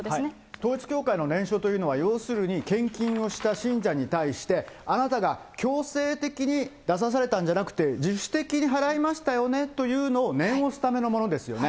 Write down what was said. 統一教会の念書というのは、要するに献金をした信者に対して、あなたが強制的に出さされたんじゃなくて、自主的に払いましたよねというのを念を押すためのものですよね。